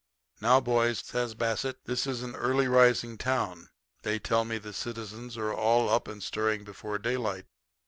Now, boys,' says Bassett, 'this is an early rising town. They tell me the citizens are all up and stirring before daylight.